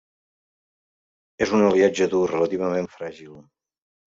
És un aliatge dur, relativament fràgil.